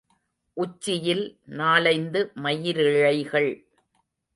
உச்சியில் நாலைந்து மயிரிழைகள்.